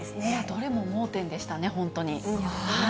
どれも盲点でしたね、本当に。